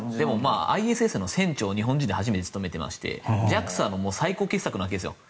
でもＩＳＳの船長を日本人で初めて務めていてＪＡＸＡの最高傑作のわけです。